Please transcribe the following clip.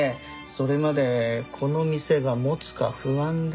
それまでこの店が持つか不安でね。